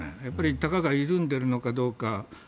やっぱり、たがが緩んでいるのかどうか。